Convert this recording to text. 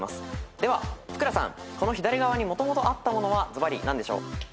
ではふくらさんこの左側にもともとあったものはずばり何でしょう？